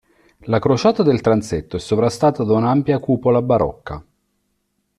La crociata del transetto è sovrastata da un'ampia cupola barocca.